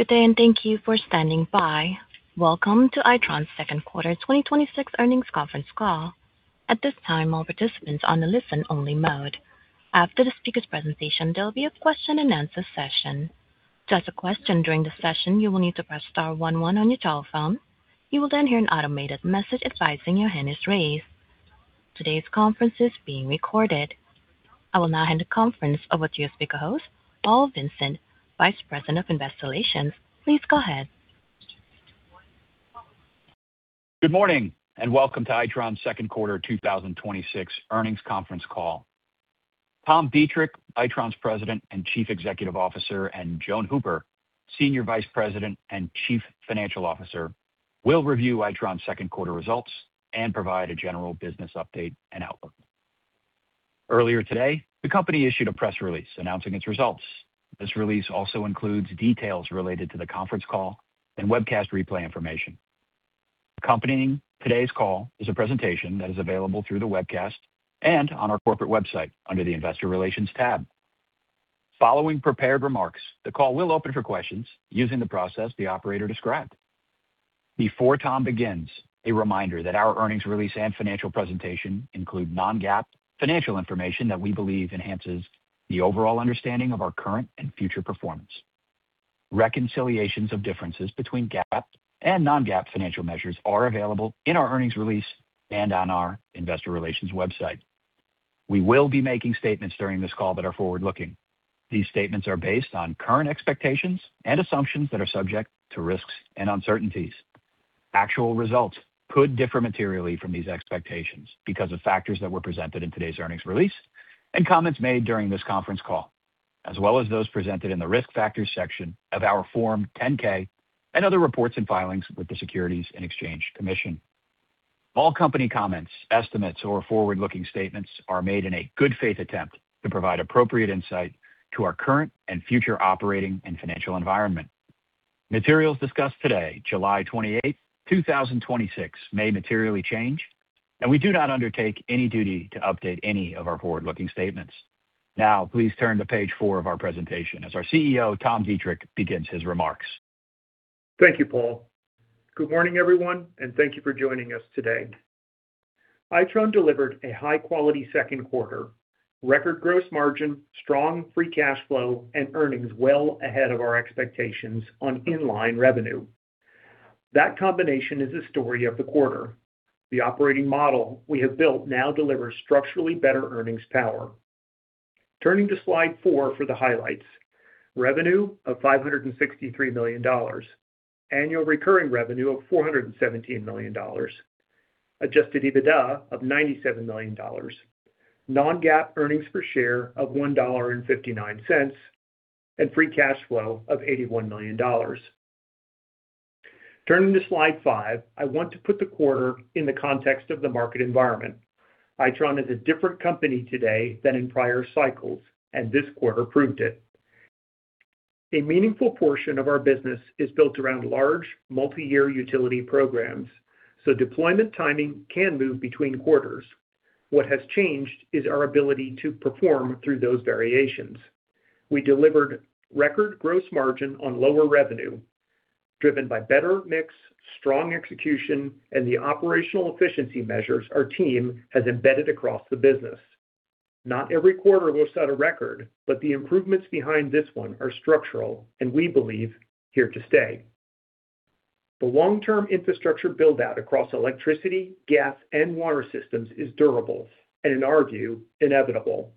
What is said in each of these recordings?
Good day, thank you for standing by. Welcome to Itron's second quarter 2026 earnings conference call. At this time, all participants on the listen only mode. After the speaker's presentation, there'll be a question and answer session. To ask a question during the session, you will need to press star one one on your telephone. You will hear an automated message advising your hand is raised. Today's conference is being recorded. I will now hand the conference over to your speaker host, Paul Vincent, Vice President of Investor Relations. Please go ahead. Good morning, welcome to Itron's second quarter 2026 earnings conference call. Tom Deitrich, Itron's President and Chief Executive Officer, and Joan Hooper, Senior Vice President and Chief Financial Officer, will review Itron's second quarter results and provide a general business update and outlook. Earlier today, the company issued a press release announcing its results. This release also includes details related to the conference call and webcast replay information. Accompanying today's call is a presentation that is available through the webcast and on our corporate website under the investor relations tab. Following prepared remarks, the call will open for questions using the process the operator described. Before Tom begins, a reminder that our earnings release and financial presentation include non-GAAP financial information that we believe enhances the overall understanding of our current and future performance. Reconciliations of differences between GAAP and non-GAAP financial measures are available in our earnings release and on our investor relations website. We will be making statements during this call that are forward-looking. These statements are based on current expectations and assumptions that are subject to risks and uncertainties. Actual results could differ materially from these expectations because of factors that were presented in today's earnings release and comments made during this conference call, as well as those presented in the risk factors section of our Form 10-K and other reports and filings with the Securities and Exchange Commission. All company comments, estimates or forward-looking statements are made in a good faith attempt to provide appropriate insight to our current and future operating and financial environment. Materials discussed today, July 28th, 2026, may materially change. We do not undertake any duty to update any of our forward-looking statements. Now, please turn to page four of our presentation as our CEO, Tom Deitrich, begins his remarks. Thank you, Paul. Good morning, everyone, and thank you for joining us today. Itron delivered a high-quality second quarter. Record gross margin, strong free cash flow, and earnings well ahead of our expectations on inline revenue. That combination is a story of the quarter. The operating model we have built now delivers structurally better earnings power. Turning to slide four for the highlights. Revenue of $563 million. Annual recurring revenue of $417 million. Adjusted EBITDA of $97 million. Non-GAAP earnings per share of $1.59. Free cash flow of $81 million. Turning to slide five, I want to put the quarter in the context of the market environment. Itron is a different company today than in prior cycles, and this quarter proved it. A meaningful portion of our business is built around large multi-year utility programs, so deployment timing can move between quarters. What has changed is our ability to perform through those variations. We delivered record gross margin on lower revenue driven by better mix, strong execution, and the operational efficiency measures our team has embedded across the business. Not every quarter will set a record, but the improvements behind this one are structural and we believe here to stay. The long-term infrastructure build-out across electricity, gas, and water systems is durable and in our view, inevitable.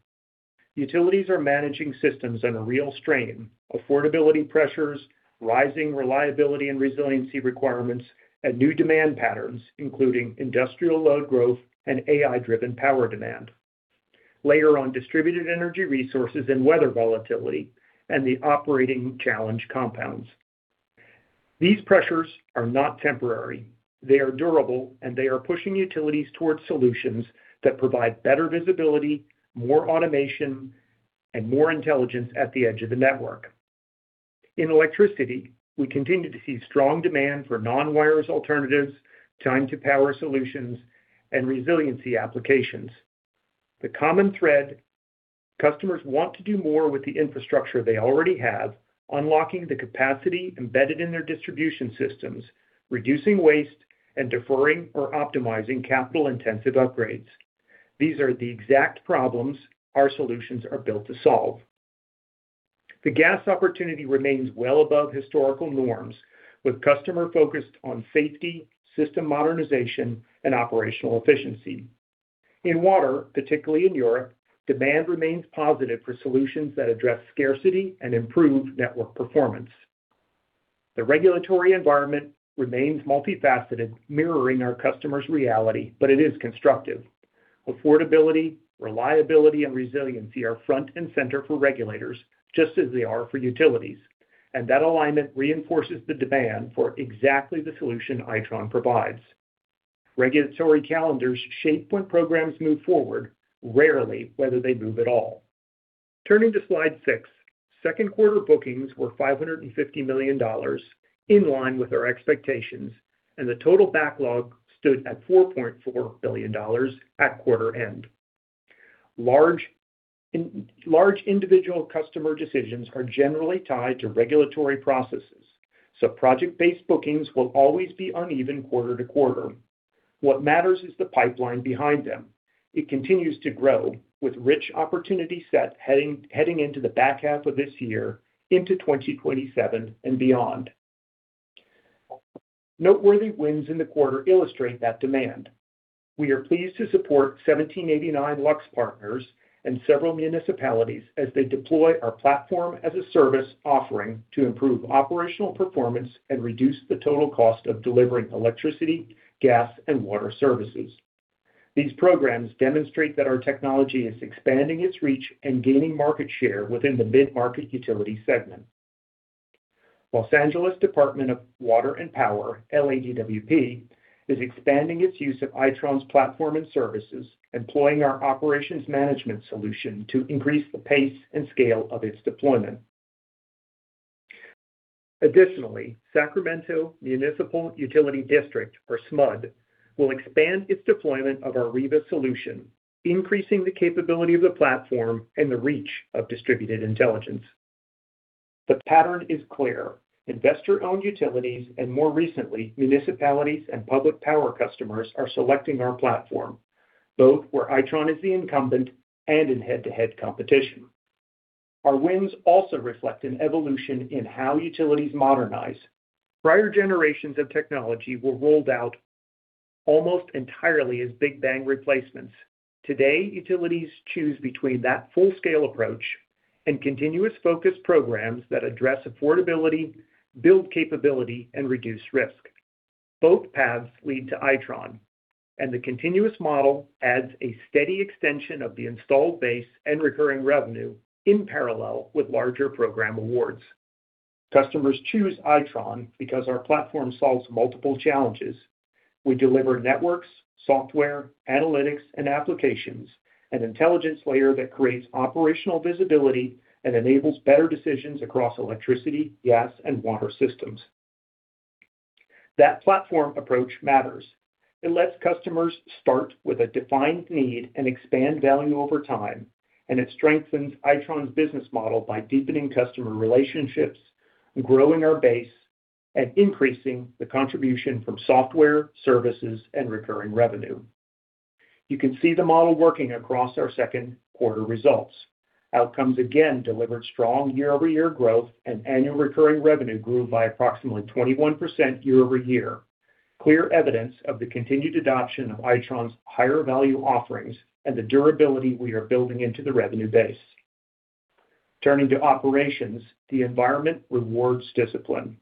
Utilities are managing systems under real strain, affordability pressures, rising reliability and resiliency requirements, and new demand patterns, including industrial load growth and AI-driven power demand. Later on, distributed energy resources and weather volatility and the operating challenge compounds. These pressures are not temporary. They are durable, and they are pushing utilities towards solutions that provide better visibility, more automation, and more intelligence at the edge of the network. In electricity, we continue to see strong demand for non-wires alternatives, time-to-power solutions, and resiliency applications. The common thread, customers want to do more with the infrastructure they already have, unlocking the capacity embedded in their distribution systems, reducing waste, and deferring or optimizing capital-intensive upgrades. These are the exact problems our solutions are built to solve. The gas opportunity remains well above historical norms, with customer focused on safety, system modernization, and operational efficiency. In water, particularly in Europe, demand remains positive for solutions that address scarcity and improve network performance. The regulatory environment remains multifaceted, mirroring our customers' reality, but it is constructive. Affordability, reliability, and resiliency are front and center for regulators, just as they are for utilities, and that alignment reinforces the demand for exactly the solution Itron provides. Regulatory calendars shape when programs move forward, rarely whether they move at all. Turning to slide six. Second quarter bookings were $550 million in line with our expectations. The total backlog stood at $4.4 billion at quarter end. Large individual customer decisions are generally tied to regulatory processes, so project-based bookings will always be uneven quarter to quarter. What matters is the pipeline behind them. It continues to grow, with rich opportunity set heading into the back half of this year into 2027 and beyond. Noteworthy wins in the quarter illustrate that demand. We are pleased to support 1789 Lux Partners and several municipalities as they deploy our platform-as-a-service offering to improve operational performance and reduce the total cost of delivering electricity, gas, and water services. These programs demonstrate that our technology is expanding its reach and gaining market share within the mid-market utility segment. Los Angeles Department of Water and Power, LADWP, is expanding its use of Itron's platform and services, employing our operations management solution to increase the pace and scale of its deployment. Sacramento Municipal Utility District, or SMUD, will expand its deployment of our Riva solution, increasing the capability of the platform and the reach of Distributed Intelligence. The pattern is clear. Investor-owned utilities, and more recently, municipalities and public power customers, are selecting our platform, both where Itron is the incumbent and in head-to-head competition. Our wins also reflect an evolution in how utilities modernize. Prior generations of technology were rolled out almost entirely as big bang replacements. Today, utilities choose between that full-scale approach and continuous focus programs that address affordability, build capability, and reduce risk. Both paths lead to Itron, the continuous model adds a steady extension of the installed base and recurring revenue in parallel with larger program awards. Customers choose Itron because our platform solves multiple challenges. We deliver networks, software, analytics, and applications, an intelligence layer that creates operational visibility and enables better decisions across electricity, gas, and water systems. That platform approach matters. It lets customers start with a defined need and expand value over time, and it strengthens Itron's business model by deepening customer relationships, growing our base, and increasing the contribution from software, services, and recurring revenue. You can see the model working across our second quarter results. Outcomes again delivered strong year-over-year growth, and annual recurring revenue grew by approximately 21% year-over-year, clear evidence of the continued adoption of Itron's higher-value offerings and the durability we are building into the revenue base. Turning to operations, the environment rewards discipline.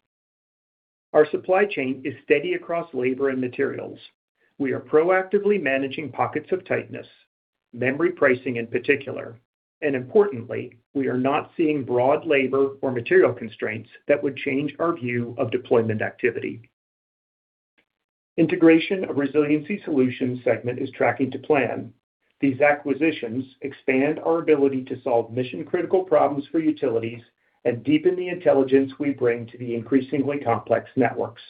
Our supply chain is steady across labor and materials. We are proactively managing pockets of tightness, memory pricing in particular, we are not seeing broad labor or material constraints that would change our view of deployment activity. Integration of Resiliency Solutions segment is tracking to plan. These acquisitions expand our ability to solve mission-critical problems for utilities and deepen the intelligence we bring to the increasingly complex networks.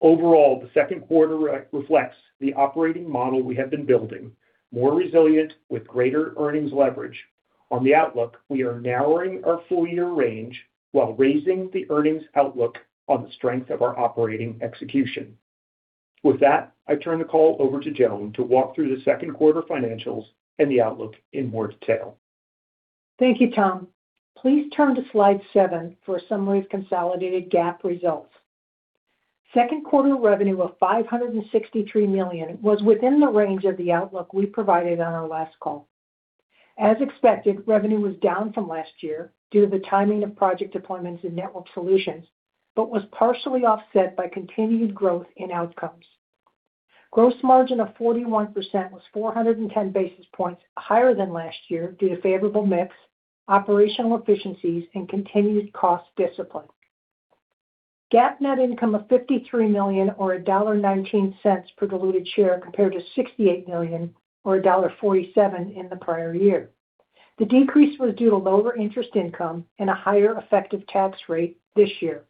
Overall, the second quarter reflects the operating model we have been building, more resilient with greater earnings leverage. On the outlook, we are narrowing our full-year range while raising the earnings outlook on the strength of our operating execution. With that, I turn the call over to Joan to walk through the second quarter financials and the outlook in more detail. Thank you, Tom. Please turn to slide seven for a summary of consolidated GAAP results. Second quarter revenue of $563 million was within the range of the outlook we provided on our last call. As expected, revenue was down from last year due to the timing of project deployments in Networked Solutions, but was partially offset by continued growth in Outcomes. Gross margin of 41% was 410 basis points higher than last year due to favorable mix, operational efficiencies, and continued cost discipline. GAAP net income of $53 million, or $1.19 per diluted share, compared to $68 million or $1.47 in the prior year. The decrease was due to lower interest income and a higher effective tax rate this year.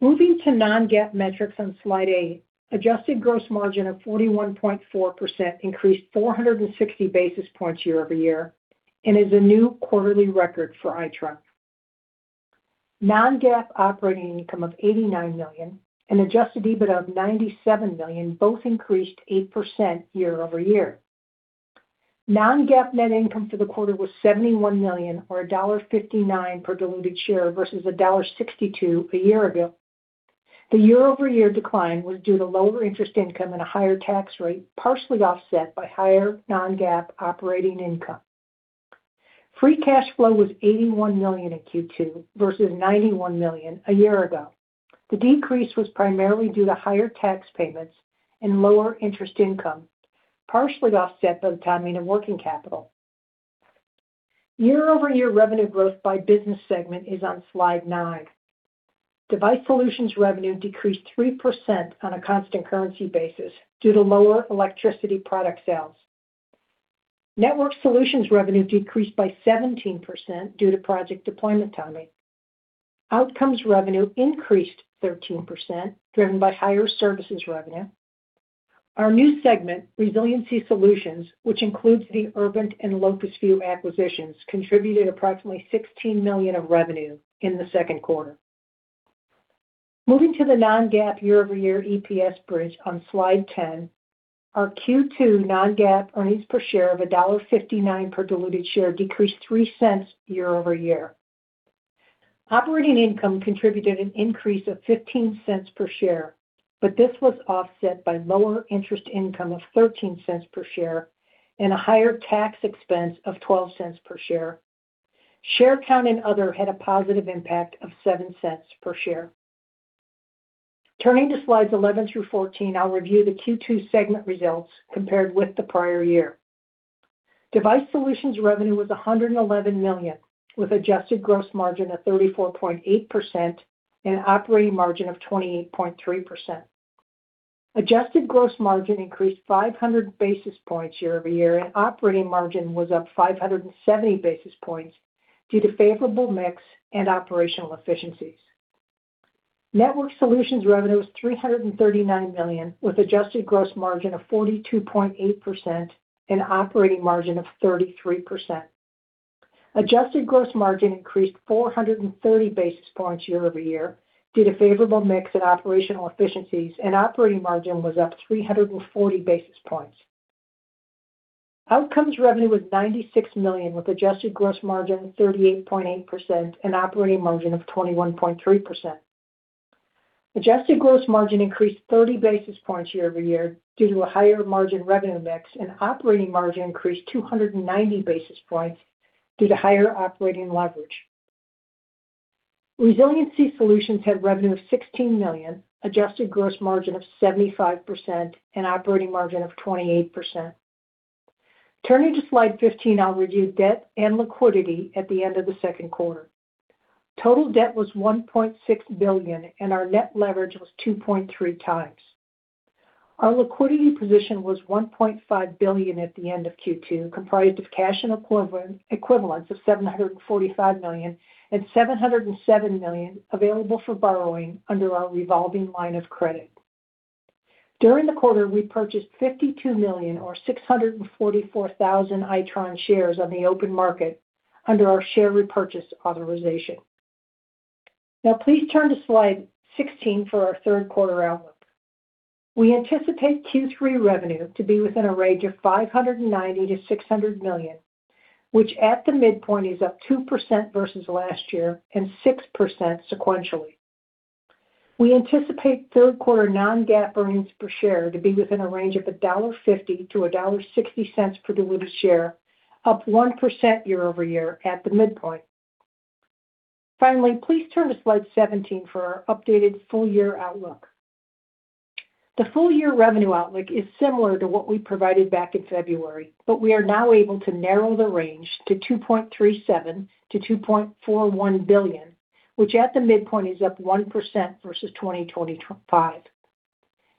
Moving to non-GAAP metrics on slide eight, adjusted gross margin of 41.4% increased 460 basis points year-over-year and is a new quarterly record for Itron. Non-GAAP operating income of $89 million and adjusted EBIT of $97 million both increased 8% year-over-year. Non-GAAP net income for the quarter was $71 million or $1.59 per diluted share versus $1.62 a year ago. The year-over-year decline was due to lower interest income and a higher tax rate, partially offset by higher non-GAAP operating income. Free cash flow was $81 million in Q2 versus $91 million a year ago. The decrease was primarily due to higher tax payments and lower interest income, partially offset by the timing of working capital. Year-over-year revenue growth by business segment is on slide nine. Device Solutions revenue decreased 3% on a constant currency basis due to lower electricity product sales. Networked Solutions revenue decreased by 17% due to project deployment timing. Outcomes revenue increased 13%, driven by higher services revenue. Our new segment, Resiliency Solutions, which includes the Urbint and Locusview acquisitions, contributed approximately $16 million of revenue in the second quarter. Moving to the non-GAAP year-over-year EPS bridge on slide 10, our Q2 non-GAAP earnings per share of $1.59 per diluted share decreased $0.03 year-over-year. Operating income contributed an increase of $0.15 per share, but this was offset by lower interest income of $0.13 per share and a higher tax expense of $0.12 per share. Share count and other had a positive impact of $0.07 per share. Turning to slides 11 through 14, I'll review the Q2 segment results compared with the prior year. Device Solutions revenue was $111 million, with Adjusted gross margin of 34.8% and operating margin of 28.3%. Adjusted gross margin increased 500 basis points year-over-year, and operating margin was up 570 basis points due to favorable mix and operational efficiencies. Networked Solutions revenue was $339 million, with Adjusted gross margin of 42.8% and operating margin of 33%. Adjusted gross margin increased 430 basis points year-over-year due to favorable mix and operational efficiencies, and operating margin was up 340 basis points. Outcomes revenue was $96 million, with Adjusted gross margin 38.8% and operating margin of 21.3%. Adjusted gross margin increased 30 basis points year-over-year due to a higher margin revenue mix, and operating margin increased 290 basis points due to higher operating leverage. Resiliency Solutions had revenue of $16 million, adjusted gross margin of 75%, and operating margin of 28%. Turning to slide 15, I'll review debt and liquidity at the end of the second quarter. Total debt was $1.6 billion and our net leverage was 2.3x. Our liquidity position was $1.5 billion at the end of Q2, comprised of cash and equivalents of $745 million and $707 million available for borrowing under our revolving line of credit. During the quarter, we purchased $52 million or 644,000 Itron shares on the open market under our share repurchase authorization. Please turn to slide 16 for our third quarter outlook. We anticipate Q3 revenue to be within a range of $590 million-$600 million, which at the midpoint is up 2% versus last year and 6% sequentially. We anticipate third quarter non-GAAP earnings per share to be within a range of $1.50-$1.60 per diluted share, up 1% year-over-year at the midpoint. Please turn to slide 17 for our updated full year outlook. The full year revenue outlook is similar to what we provided back in February, but we are now able to narrow the range to $2.37 billion-$2.41 billion, which at the midpoint is up 1% versus 2025.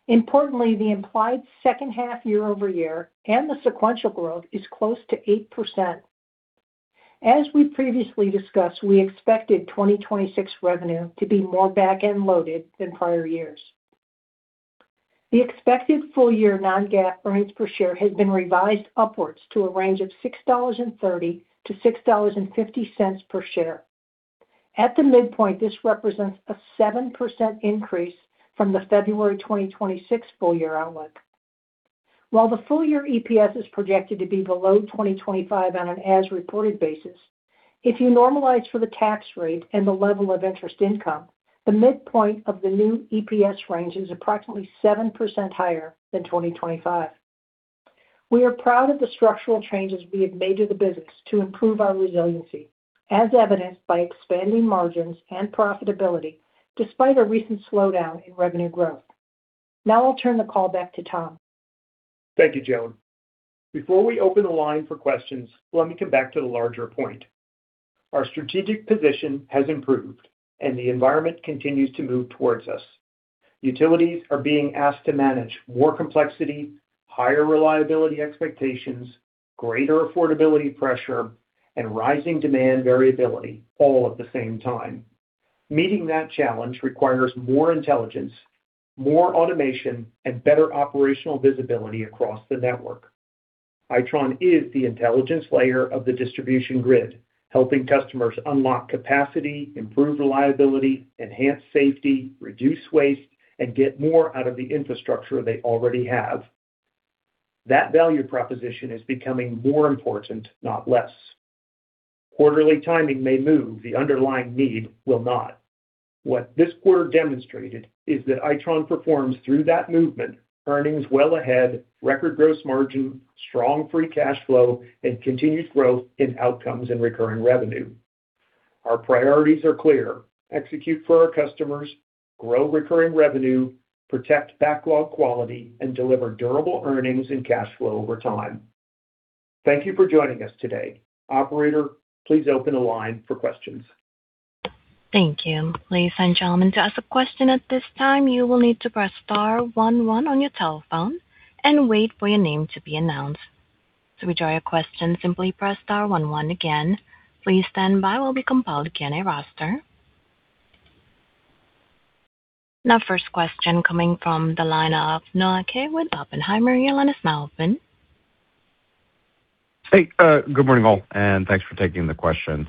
Importantly, the implied second half year-over-year and the sequential growth is close to 8%. As we previously discussed, we expected 2026 revenue to be more back-end loaded than prior years. The expected full year non-GAAP earnings per share has been revised upwards to a range of $6.30-$6.50 per share. At the midpoint, this represents a 7% increase from the February 2026 full year outlook. While the full year EPS is projected to be below 2025 on an as-reported basis, if you normalize for the tax rate and the level of interest income, the midpoint of the new EPS range is approximately 7% higher than 2025. We are proud of the structural changes we have made to the business to improve our resiliency, as evidenced by expanding margins and profitability despite a recent slowdown in revenue growth. I'll turn the call back to Tom. Thank you, Joan. Before we open the line for questions, let me come back to the larger point. Our strategic position has improved. The environment continues to move towards us. Utilities are being asked to manage more complexity, higher reliability expectations, greater affordability pressure, and rising demand variability all at the same time. Meeting that challenge requires more intelligence, more automation, and better operational visibility across the network. Itron is the intelligence layer of the distribution grid, helping customers unlock capacity, improve reliability, enhance safety, reduce waste, and get more out of the infrastructure they already have. That value proposition is becoming more important, not less. Quarterly timing may move. The underlying need will not. What this quarter demonstrated is that Itron performs through that movement, earnings well ahead, record gross margin, strong free cash flow, and continued growth in Outcomes and recurring revenue. Our priorities are clear: execute for our customers, grow recurring revenue, protect backlog quality, and deliver durable earnings and cash flow over time. Thank you for joining us today. Operator, please open the line for questions. Thank you. Ladies and gentlemen, to ask a question at this time, you will need to press star one one on your telephone and wait for your name to be announced. To withdraw your question, simply press star one one again. Please stand by while we compile a Q&A roster. First question coming from the line of Noah Kaye with Oppenheimer. Your line is now open. Hey, good morning all, thanks for taking the questions.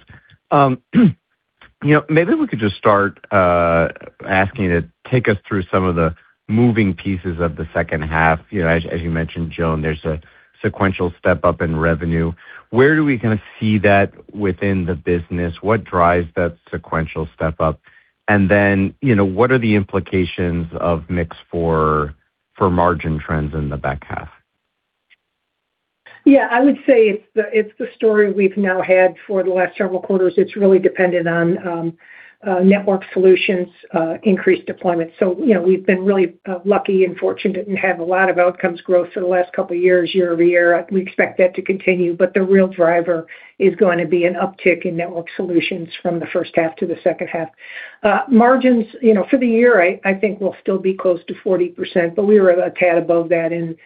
Maybe we could just start asking you to take us through some of the moving pieces of the second half. As you mentioned, Joan, there's a sequential step-up in revenue. Where do we kind of see that within the business? What drives that sequential step-up? What are the implications of mix for margin trends in the back half? Yeah, I would say it's the story we've now had for the last several quarters. It's really dependent on Networked Solutions, increased deployment. We've been really lucky and fortunate and have a lot of Outcomes growth for the last couple of years, year-over-year. We expect that to continue, the real driver is going to be an uptick in Networked Solutions from the first half to the second half. Margins for the year, I think, will still be close to 40%, but we were a tad above that in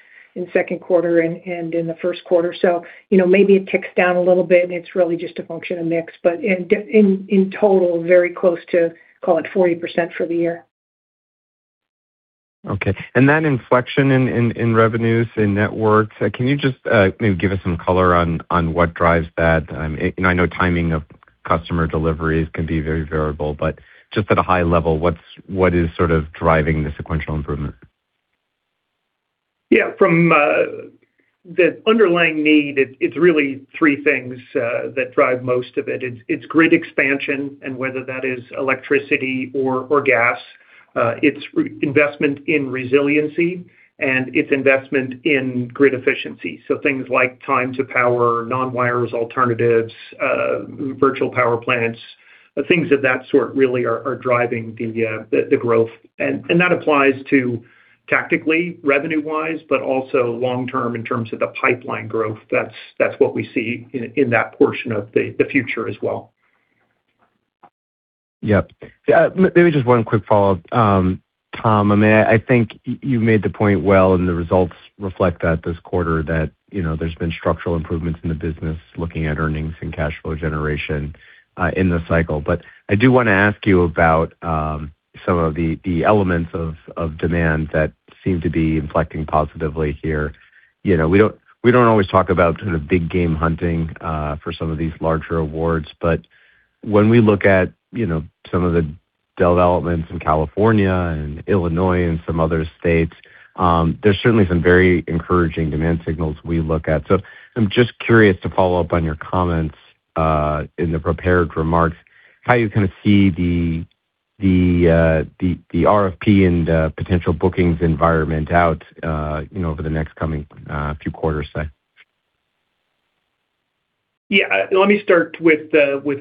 second quarter and in the first quarter. Maybe it ticks down a little bit, it's really just a function of mix. In total, very close to, call it 40% for the year. Okay. That inflection in revenues in networks, can you just maybe give us some color on what drives that? I know timing of customer deliveries can be very variable, but just at a high level, what is sort of driving the sequential improvement? From the underlying need, it's really three things that drive most of it. It's grid expansion whether that is electricity or gas. It's investment in resiliency, it's investment in grid efficiency. Things like time-to-power, non-wires alternatives, virtual power plants, things of that sort really are driving the growth. That applies to tactically revenue-wise, but also long-term in terms of the pipeline growth. That's what we see in that portion of the future as well. Yes. Maybe just one quick follow-up. Tom, I think you made the point well, the results reflect that this quarter that there's been structural improvements in the business looking at earnings and cash flow generation in the cycle. I do want to ask you about some of the elements of demand that seem to be inflecting positively here. We don't always talk about sort of big game hunting for some of these larger awards, but when we look at some of the developments in California and Illinois and some other states, there's certainly some very encouraging demand signals we look at. I'm just curious to follow up on your comments in the prepared remarks, how you kind of see the RFP and potential bookings environment out over the next coming few quarters, say. Let me start with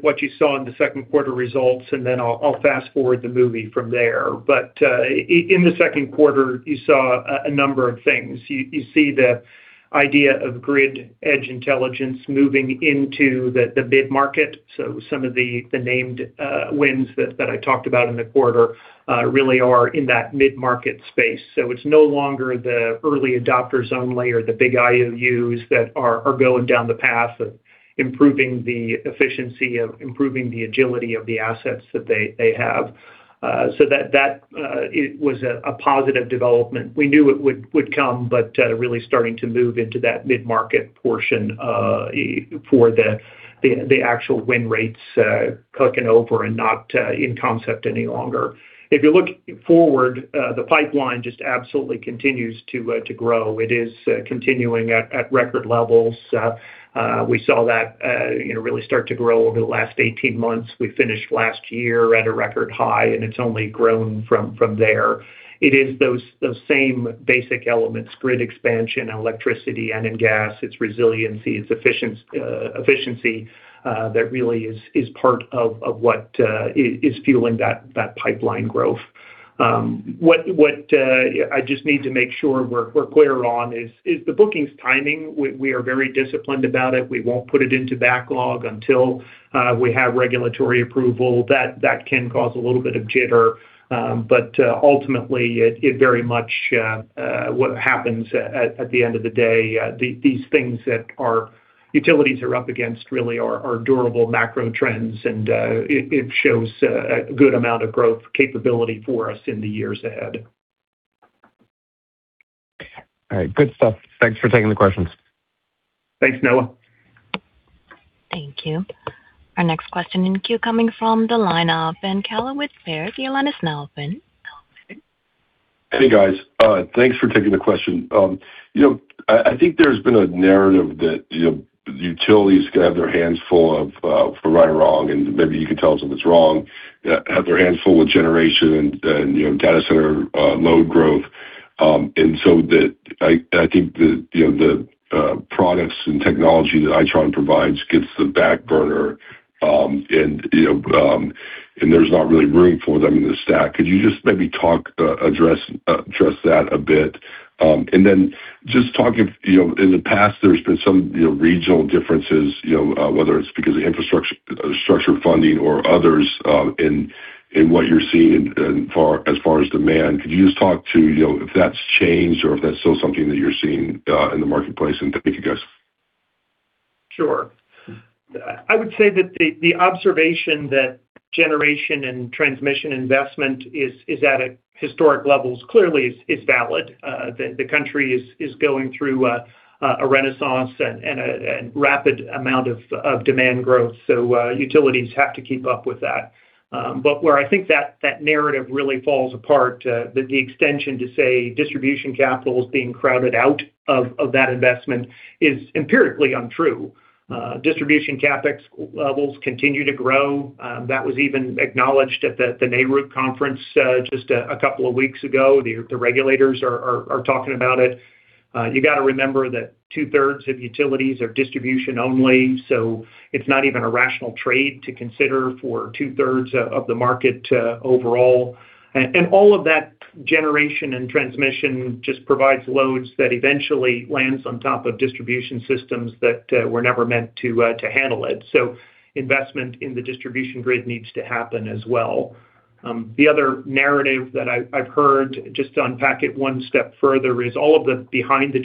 what you saw in the second quarter results, then I'll fast-forward the movie from there. In the second quarter, you saw a number of things. You see the idea of Grid Edge Intelligence moving into the mid-market. Some of the named wins that I talked about in the quarter really are in that mid-market space. It's no longer the early adopter zone layer, the big IOUs that are going down the path of improving the efficiency, of improving the agility of the assets that they have. That was a positive development. We knew it would come, really starting to move into that mid-market portion for the actual win rates clicking over and not in concept any longer. If you look forward, the pipeline just absolutely continues to grow. It is continuing at record levels. We saw that really start to grow over the last 18 months. We finished last year at a record high, and it's only grown from there. It is those same basic elements, grid expansion and electricity and gas. It's resiliency, it's efficiency that really is part of what is fueling that pipeline growth. What I just need to make sure we're clear on is the bookings timing. We are very disciplined about it. We won't put it into backlog until we have regulatory approval. That can cause a little bit of jitter, but ultimately, it very much what happens at the end of the day. These things that our utilities are up against really are durable macro trends, and it shows a good amount of growth capability for us in the years ahead. All right. Good stuff. Thanks for taking the questions. Thanks, Noah. Thank you. Our next question in queue coming from the line of Ben Kallo with Baird. Your line is now open. Hey, guys. Thanks for taking the question. I think there's been a narrative that utilities could have their hands full of right or wrong, and maybe you could tell us if it's wrong. Have their hands full with generation and data center load growth. I think the products and technology that Itron provides gets the back burner, and there's not really room for them in the stack. Could you just maybe address that a bit? Just talking, in the past, there's been some regional differences, whether it's because of infrastructure funding or others, in what you're seeing as far as demand. Could you just talk to if that's changed or if that's still something that you're seeing in the marketplace and take a guess? Sure. I would say that the observation that generation and transmission investment is at a historic level clearly is valid. The country is going through a renaissance and rapid amount of demand growth. Utilities have to keep up with that. Where I think that narrative really falls apart, the extension to say distribution capital is being crowded out of that investment is empirically untrue. Distribution CapEx levels continue to grow. That was even acknowledged at the NARUC conference just a couple of weeks ago. The regulators are talking about it. You got to remember that two-thirds of utilities are distribution only. It's not even a rational trade to consider for two-thirds of the market overall. All of that generation and transmission just provides loads that eventually lands on top of distribution systems that were never meant to handle it. Investment in the distribution grid needs to happen as well. The other narrative that I've heard, just to unpack it one step further, is all of the behind the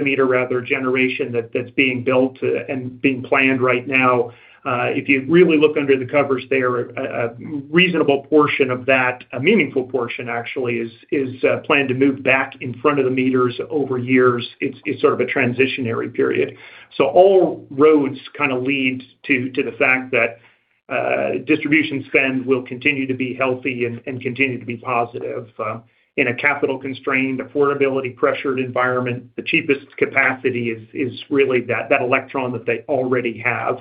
meter rather, generation that's being built and being planned right now. If you really look under the covers there, a reasonable portion of that, a meaningful portion actually, is planned to move back in front of the meters over years. It's sort of a transitionary period. All roads kind of lead to the fact that distribution spend will continue to be healthy and continue to be positive. In a capital-constrained, affordability-pressured environment, the cheapest capacity is really that electron that they already have.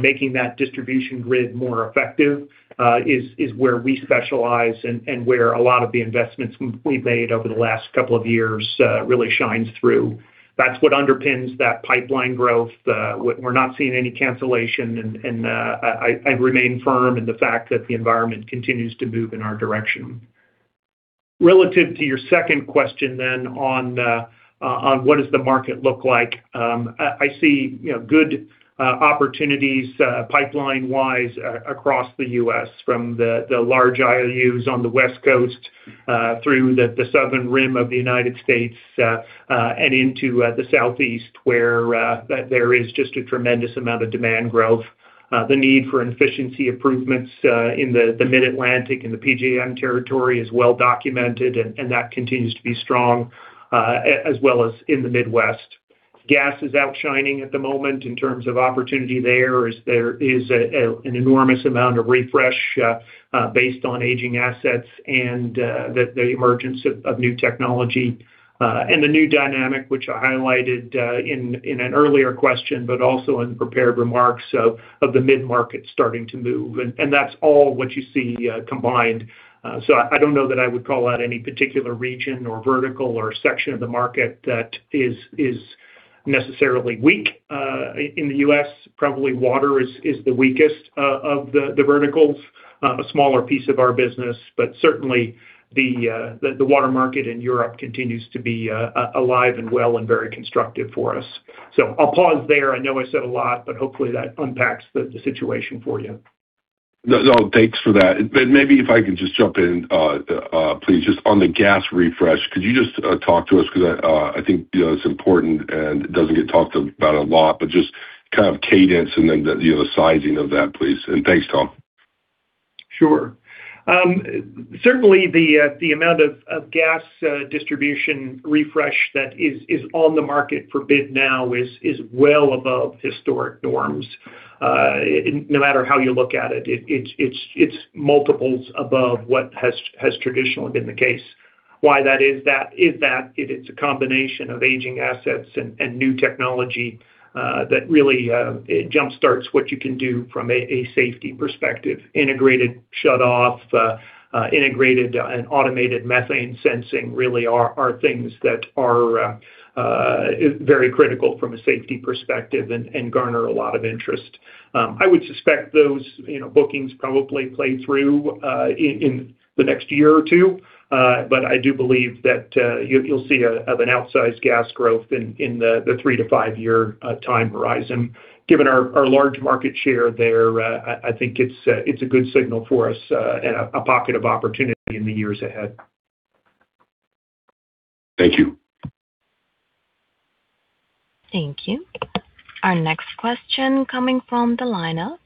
Making that distribution grid more effective, is where we specialize and where a lot of the investments we've made over the last couple of years really shines through. That's what underpins that pipeline growth. We're not seeing any cancellation. I remain firm in the fact that the environment continues to move in our direction. Relative to your second question on what does the market look like? I see good opportunities pipeline-wise across the U.S. from the large IOUs on the West Coast, through the southern rim of the United States, and into the Southeast, where there is just a tremendous amount of demand growth. The need for efficiency improvements in the Mid-Atlantic and the PJM territory is well documented. That continues to be strong, as well as in the Midwest. Gas is outshining at the moment in terms of opportunity there. There is an enormous amount of refresh based on aging assets and the emergence of new technology. The new dynamic, which I highlighted in an earlier question, also in prepared remarks of the mid-market starting to move, that's all what you see combined. I don't know that I would call out any particular region or vertical or section of the market that is necessarily weak. In the U.S., probably water is the weakest of the verticals. A smaller piece of our business, certainly the water market in Europe continues to be alive and well and very constructive for us. I'll pause there. I know I said a lot, hopefully that unpacks the situation for you. No, thanks for that. Maybe if I can just jump in, please. Just on the gas refresh, could you just talk to us? I think it's important and doesn't get talked about a lot, just kind of cadence and then the sizing of that, please. Thanks, Tom. Sure. Certainly the amount of gas distribution refresh that is on the market for bid now is well above historic norms. No matter how you look at it's multiples above what has traditionally been the case. Why that is that, it's a combination of aging assets and new technology that really jumpstarts what you can do from a safety perspective. Integrated shutoff, integrated and automated methane sensing really are things that are very critical from a safety perspective and garner a lot of interest. I would suspect those bookings probably play through in the next year or two. I do believe that you'll see an outsized gas growth in the three to five-year time horizon. Given our large market share there, I think it's a good signal for us, and a pocket of opportunity in the years ahead. Thank you. Thank you. Our next question coming from the line of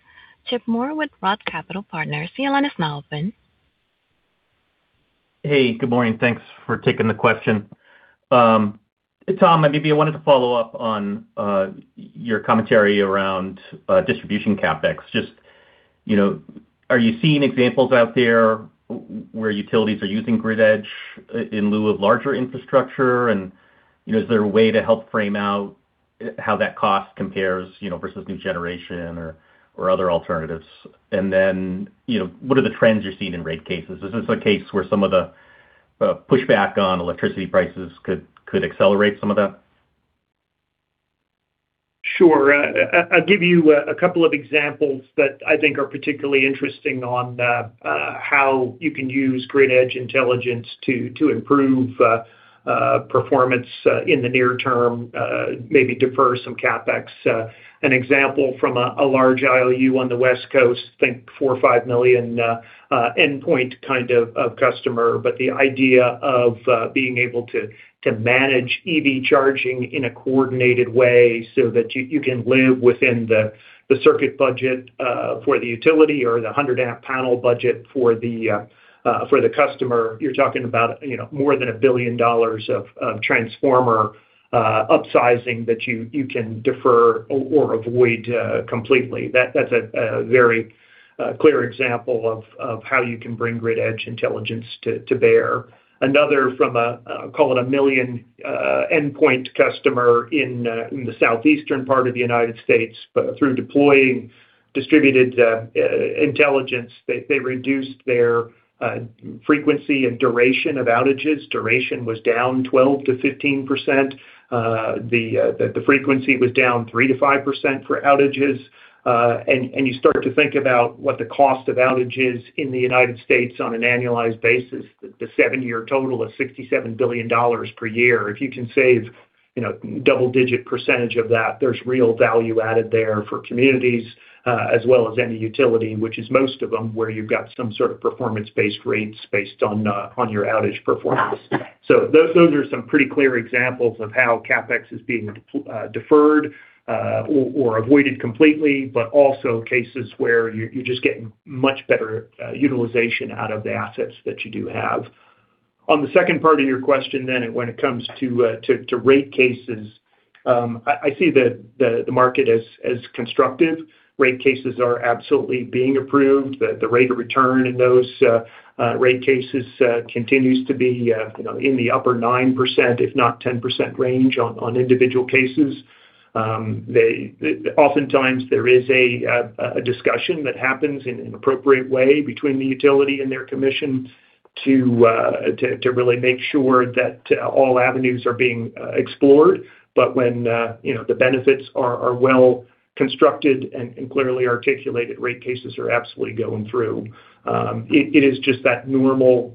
Chip Moore with ROTH Capital Partners. Your line is now open. Hey, good morning. Thanks for taking the question. Tom, maybe I wanted to follow up on your commentary around distribution CapEx. Just are you seeing examples out there where utilities are using Grid Edge in lieu of larger infrastructure? Is there a way to help frame out how that cost compares versus new generation or other alternatives? What are the trends you're seeing in rate cases? Is this a case where some of the pushback on electricity prices could accelerate some of that? Sure. I'll give you a couple of examples that I think are particularly interesting on how you can use Grid Edge Intelligence to improve performance in the near term, maybe defer some CapEx. An example from a large IOU on the West Coast, think four or five million endpoint customer. The idea of being able to manage EV charging in a coordinated way so that you can live within the circuit budget for the utility or the 100-amp panel budget for the customer. You're talking about more than $1 billion of transformer upsizing that you can defer or avoid completely. That's a very clear example of how you can bring Grid Edge Intelligence to bear. Another from a, call it a million endpoint customer in the southeastern part of the U.S. Through deploying Distributed Intelligence, they reduced their frequency and duration of outages. Duration was down 12%-15%. The frequency was down 3%-5% for outages. You start to think about what the cost of outage is in the U.S. on an annualized basis, the seven-year total of $67 billion per year. If you can save double-digit percentage of that, there's real value added there for communities, as well as any utility, which is most of them, where you've got some sort of performance-based rates based on your outage performance. Those are some pretty clear examples of how CapEx is being deferred or avoided completely, but also cases where you're just getting much better utilization out of the assets that you do have. On the second part of your question, when it comes to rate cases, I see the market as constructive. Rate cases are absolutely being approved. The rate of return in those rate cases continues to be in the upper 9%, if not 10% range on individual cases. Oftentimes, there is a discussion that happens in an appropriate way between the utility and their commission to really make sure that all avenues are being explored. When the benefits are well-constructed and clearly articulated, rate cases are absolutely going through. It is just that normal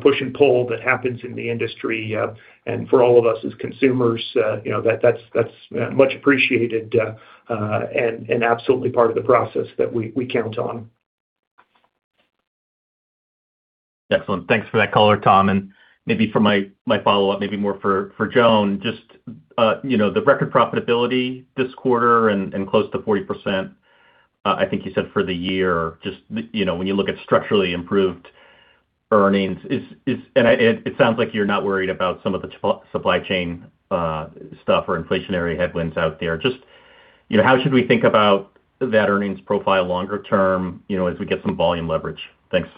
push and pull that happens in the industry. For all of us as consumers, that's much appreciated and absolutely part of the process that we count on. Excellent. Thanks for that color, Tom, and maybe for my follow-up, maybe more for Joan. The record profitability this quarter and close to 40%, I think you said, for the year. When you look at structurally improved earnings, and it sounds like you're not worried about some of the supply chain stuff or inflationary headwinds out there. How should we think about that earnings profile longer term as we get some volume leverage? Thanks.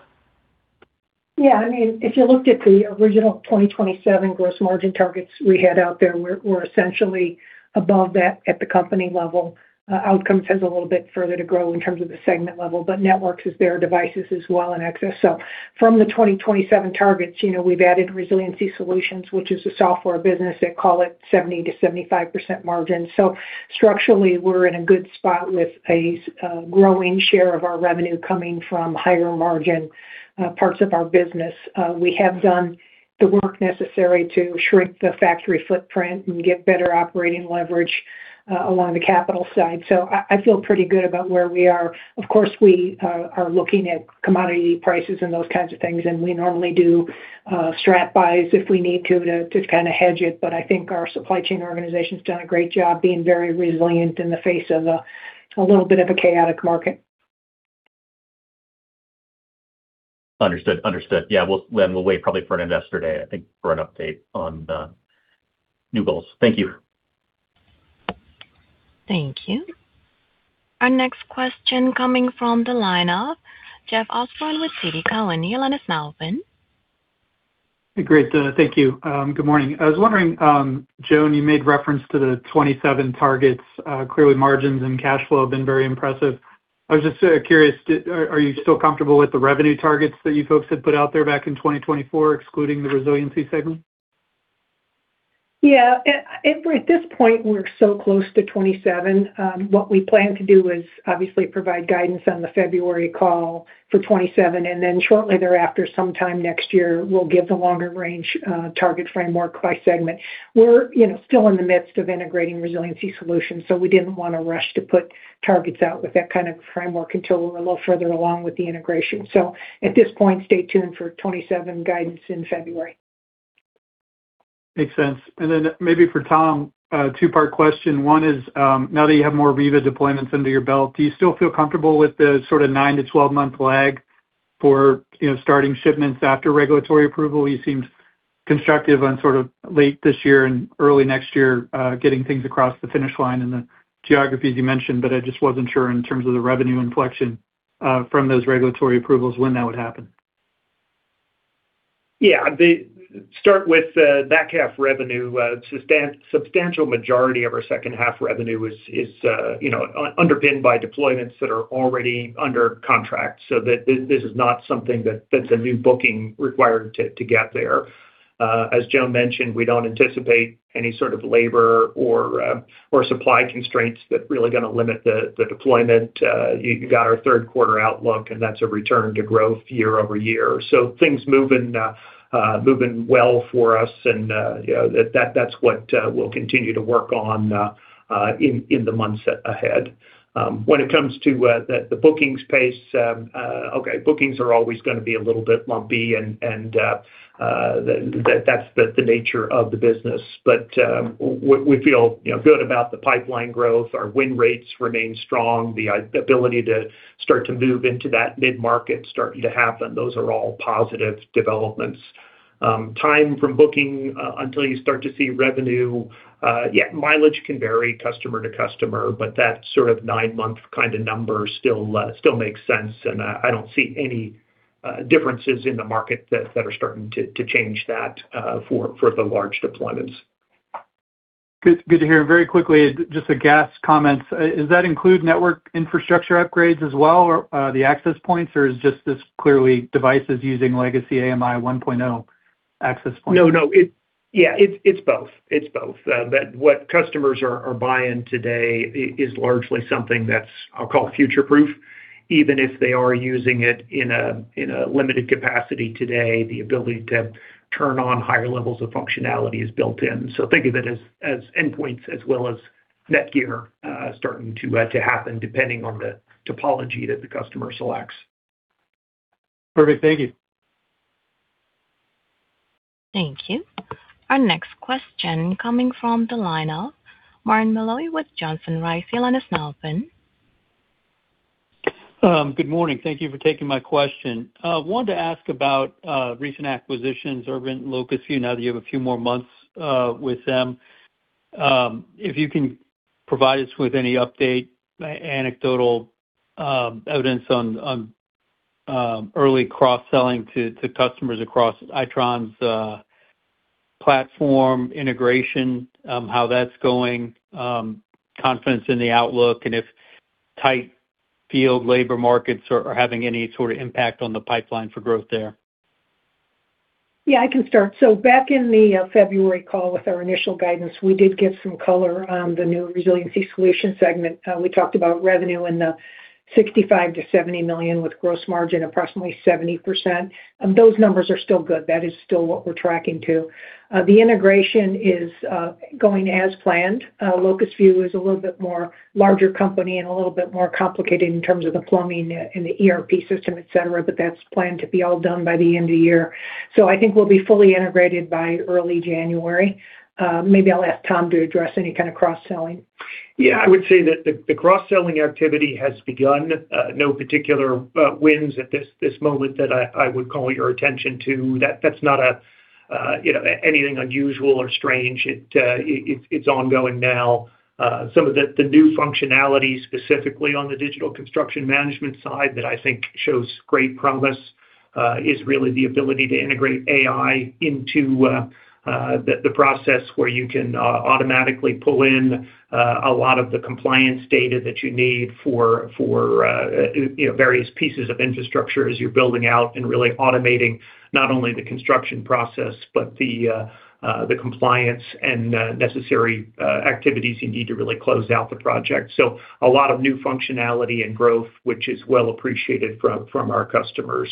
If you looked at the original 2027 gross margin targets we had out there, we're essentially above that at the company level. Outcomes has a little bit further to grow in terms of the segment level, Networks is there, Devices as well, and Access. From the 2027 targets, we've added Resiliency Solutions, which is a software business that call it 70%-75% margin. Structurally, we're in a good spot with a growing share of our revenue coming from higher-margin parts of our business. We have done the work necessary to shrink the factory footprint and get better operating leverage along the capital side. I feel pretty good about where we are. Of course, we are looking at commodity prices and those kinds of things, and we normally do strap buys if we need to hedge it. I think our supply chain organization's done a great job being very resilient in the face of a little bit of a chaotic market. Understood. Yeah. We'll wait probably for an investor day, I think, for an update on the new goals. Thank you. Thank you. Our next question coming from the line of Jeff Osborne with TD Cowen. Your line is now open. Great. Thank you. Good morning. I was wondering, Joan, you made reference to the 27 targets. Clearly, margins and cash flow have been very impressive. I was just curious, are you still comfortable with the revenue targets that you folks had put out there back in 2024, excluding the Resiliency segment? Yeah. At this point, we're so close to 27. What we plan to do is obviously provide guidance on the February call for 27, and then shortly thereafter, sometime next year, we'll give the longer range target framework by segment. We're still in the midst of integrating Resiliency Solutions, we didn't want to rush to put targets out with that kind of framework until we're a little further along with the integration. At this point, stay tuned for 27 guidance in February. Makes sense. Maybe for Tom, a two-part question. One is, now that you have more Riva deployments under your belt, do you still feel comfortable with the sort of nine to 12-month lag for starting shipments after regulatory approval? You seemed constructive on sort of late this year and early next year, getting things across the finish line in the geographies you mentioned, but I just wasn't sure in terms of the revenue inflection from those regulatory approvals, when that would happen. Start with the back half revenue. Substantial majority of our second half revenue is underpinned by deployments that are already under contract. This is not something that's a new booking required to get there. As Joan mentioned, we don't anticipate any sort of labor or supply constraints that's really going to limit the deployment. You got our third quarter outlook, and that's a return to growth year-over-year. Things moving well for us, and that's what we'll continue to work on in the months ahead. When it comes to the bookings pace, bookings are always going to be a little bit lumpy, and that's the nature of the business. We feel good about the pipeline growth. Our win rates remain strong. The ability to start to move into that mid-market is starting to happen. Those are all positive developments. Time from booking until you start to see revenue, mileage can vary customer to customer, but that sort of nine-month kind of number still makes sense, and I don't see any differences in the market that are starting to change that for the large deployments. Good to hear. Very quickly, just a gas comment. Does that include network infrastructure upgrades as well, or the access points, or is this just clearly devices using legacy AMI 1.0 access points? No, it's both. What customers are buying today is largely something that's, I'll call future-proof, even if they are using it in a limited capacity today, the ability to turn on higher levels of functionality is built in. Think of it as endpoints as well as network gear starting to happen depending on the topology that the customer selects. Perfect. Thank you. Thank you. Our next question coming from the line of Martin Malloy with Johnson Rice. Your line is now open. Good morning. Thank you for taking my question. Wanted to ask about recent acquisitions, Urbint and Locusview, now that you have a few more months with them. If you can provide us with any update, anecdotal evidence on early cross-selling to customers across Itron's platform integration, how that's going, confidence in the outlook, and if tight field labor markets are having any sort of impact on the pipeline for growth there. I can start. Back in the February call with our initial guidance, we did give some color on the new Resiliency Solutions segment. We talked about revenue in the $65 million-$70 million with gross margin approximately 70%. Those numbers are still good. That is still what we're tracking to. The integration is going as planned. Locusview is a little bit more larger company and a little bit more complicated in terms of the plumbing and the ERP system, et cetera, but that's planned to be all done by the end of the year. I think we'll be fully integrated by early January. Maybe I'll ask Tom to address any kind of cross-selling. I would say that the cross-selling activity has begun. No particular wins at this moment that I would call your attention to. That's not anything unusual or strange. It's ongoing now. Some of the new functionality, specifically on the digital construction management side that I think shows great promise, is really the ability to integrate AI into the process where you can automatically pull in a lot of the compliance data that you need for various pieces of infrastructure as you're building out and really automating not only the construction process, but the compliance and necessary activities you need to really close out the project. A lot of new functionality and growth, which is well appreciated from our customers.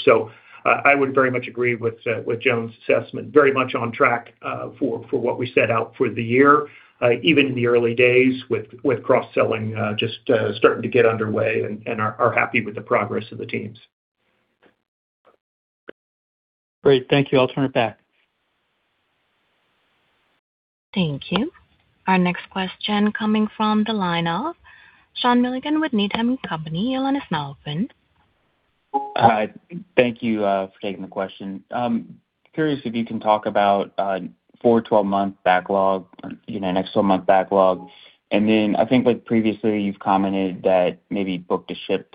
I would very much agree with Joan's assessment. Very much on track for what we set out for the year, even in the early days with cross-selling just starting to get underway, and are happy with the progress of the teams. Great. Thank you. I'll turn it back. Thank you. Our next question coming from the line of Sean Milligan with Needham & Company. Your line is now open. Hi. Thank you for taking the question. Curious if you can talk about forward 12-month backlog, next 12-month backlog. I think previously you've commented that maybe book-to-ship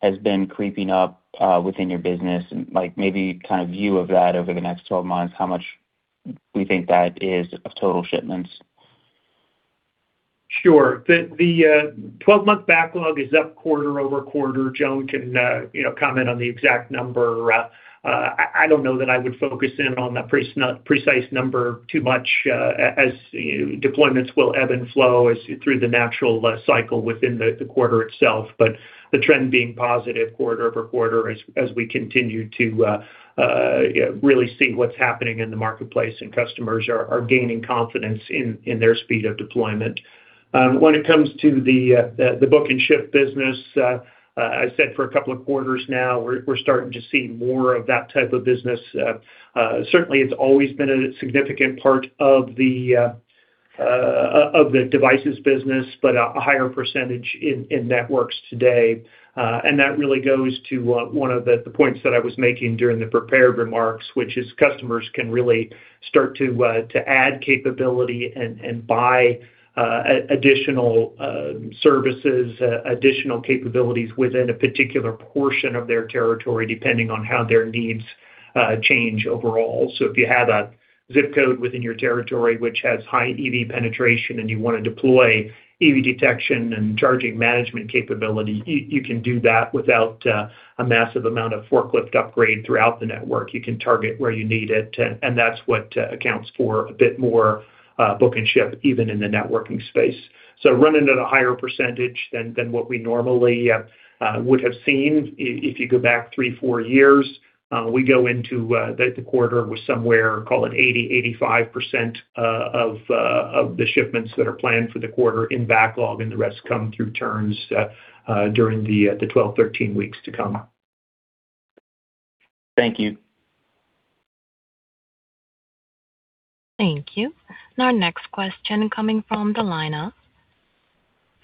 has been creeping up within your business, and maybe view of that over the next 12 months, how much we think that is of total shipments. Sure. The 12-month backlog is up quarter-over-quarter. Joan can comment on the exact number. I don't know that I would focus in on that precise number too much, as deployments will ebb and flow through the natural cycle within the quarter itself. The trend being positive quarter-over-quarter as we continue to really see what's happening in the marketplace and customers are gaining confidence in their speed of deployment. When it comes to the book and ship business, as I said for a couple of quarters now, we're starting to see more of that type of business. Certainly, it's always been a significant part of the devices business, but a higher percentage in networks today. That really goes to one of the points that I was making during the prepared remarks, which is customers can really start to add capability and buy additional services, additional capabilities within a particular portion of their territory, depending on how their needs change overall. If you have a ZIP code within your territory, which has high EV penetration, and you want to deploy EV detection and charging management capability, you can do that without a massive amount of forklift upgrade throughout the network. You can target where you need it, and that's what accounts for a bit more book-and-ship, even in the networking space. Run into the higher percentage than what we normally would have seen if you go back three, four years. We go into the quarter with somewhere, call it 80%, 85% of the shipments that are planned for the quarter in backlog, and the rest come through turns during the 12, 13 weeks to come. Thank you. Thank you. Our next question coming from the line of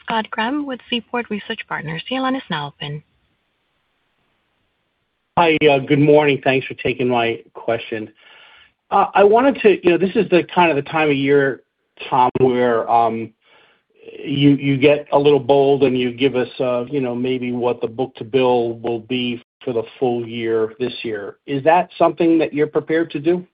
Scott Graham with Seaport Research Partners. Your line is now open. Hi. Good morning. Thanks for taking my question. This is the time of the year, Tom, where you get a little bold, and you give us maybe what the book-to-bill will be for the full year this year. Is that something that you're prepared to do?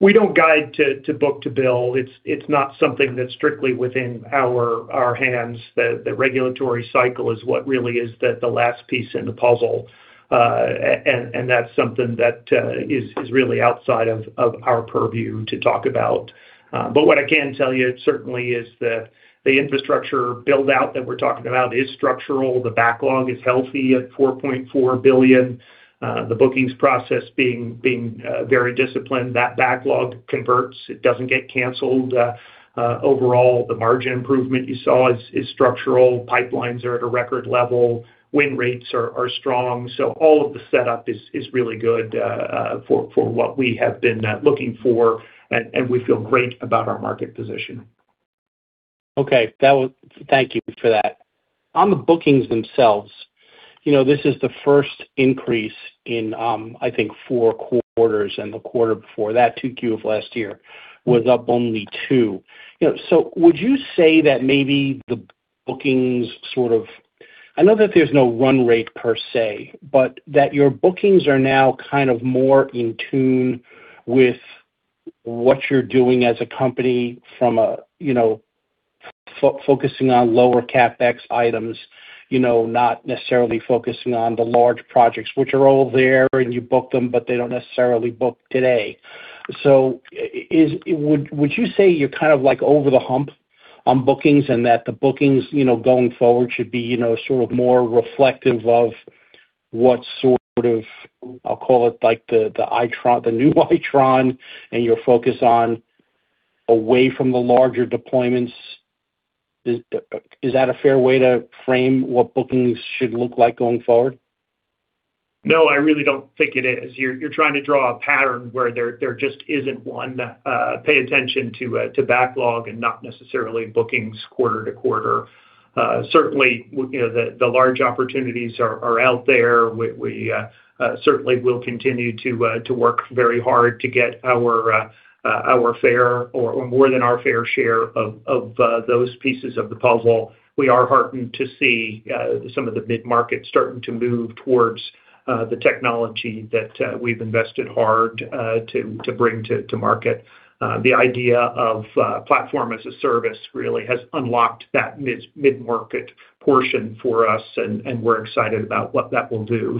We don't guide to book-to-bill. It's not something that's strictly within our hands. The regulatory cycle is what really is the last piece in the puzzle, and that's something that is really outside of our purview to talk about. What I can tell you certainly is that the infrastructure build-out that we're talking about is structural. The backlog is healthy at $4.4 billion. The bookings process being very disciplined. That backlog converts. It doesn't get canceled. Overall, the margin improvement you saw is structural. Pipelines are at a record level. Win rates are strong. All of the setup is really good for what we have been looking for, and we feel great about our market position. Okay. Thank you for that. On the bookings themselves, this is the first increase in, I think, four quarters, and the quarter before that, 2Q of last year, was up only two. Would you say that maybe the bookings sort of- I know that there's no run rate per se, but that your bookings are now kind of more in tune with what you're doing as a company from focusing on lower CapEx items, not necessarily focusing on the large projects, which are all there, and you book them, but they don't necessarily book today. Would you say you're kind of over the hump on bookings and that the bookings going forward should be more reflective of what sort of, I'll call it, the new Itron and your focus on away from the larger deployments? Is that a fair way to frame what bookings should look like going forward? No, I really don't think it is. You're trying to draw a pattern where there just isn't one. Pay attention to backlog and not necessarily bookings quarter to quarter. Certainly, the large opportunities are out there. We certainly will continue to work very hard to get our fair or more than our fair share of those pieces of the puzzle. We are heartened to see some of the mid-markets starting to move towards the technology that we've invested hard to bring to market. The idea of Platform-as-a-Service really has unlocked that mid-market portion for us, and we're excited about what that will do.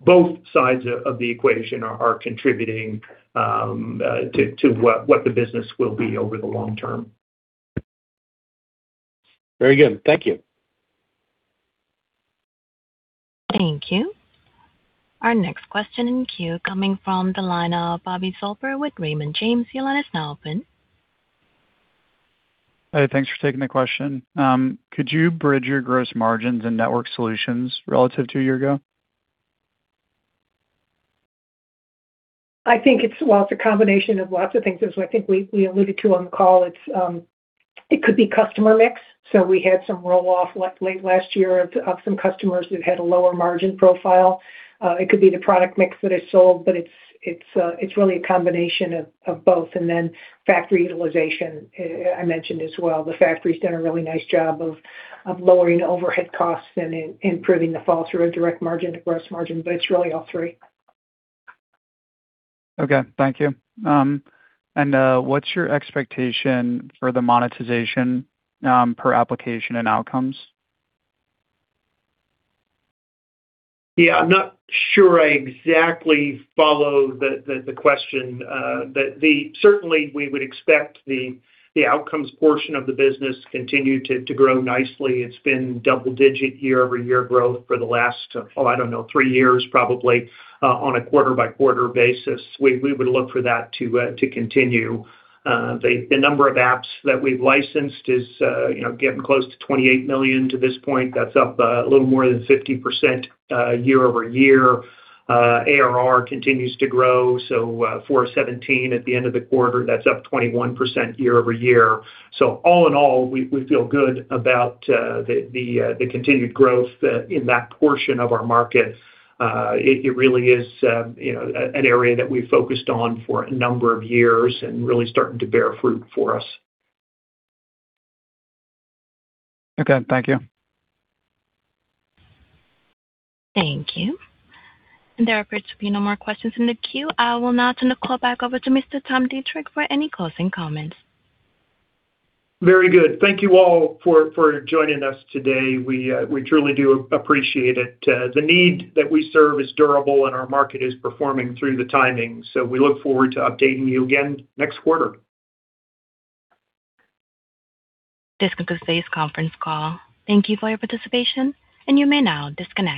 Both sides of the equation are contributing to what the business will be over the long term. Very good. Thank you. Thank you. Our next question in queue coming from the line of Bobby Zolper with Raymond James. Your line is now open. Hi, thanks for taking the question. Could you bridge your gross margins and Networked Solutions relative to a year ago? I think it's, well, it's a combination of lots of things, as I think we alluded to on the call. It could be customer mix. We had some roll-off late last year of some customers who had a lower margin profile. It could be the product mix that I sold, but it's really a combination of both. Factory utilization, I mentioned as well. The factory's done a really nice job of lowering overhead costs and improving the fall-through of direct margin to gross margin, but it's really all three. Okay. Thank you. What's your expectation for the monetization per application and Outcomes? Yeah, I'm not sure I exactly follow the question. Certainly, we would expect the Outcomes portion of the business to continue to grow nicely. It's been double-digit year-over-year growth for the last, oh, I don't know, three years, probably, on a quarter-by-quarter basis. We would look for that to continue. The number of apps that we've licensed is getting close to 28 million to this point. That's up a little more than 50% year-over-year. ARR continues to grow, $417 million at the end of the quarter, that's up 21% year-over-year. All in all, we feel good about the continued growth in that portion of our market. It really is an area that we focused on for a number of years and really starting to bear fruit for us. Okay. Thank you. Thank you. There appear to be no more questions in the queue. I will now turn the call back over to Mr. Tom Deitrich for any closing comments. Very good. Thank you all for joining us today. We truly do appreciate it. The need that we serve is durable, and our market is performing through the timing. We look forward to updating you again next quarter. This concludes today's conference call. Thank you for your participation, and you may now disconnect.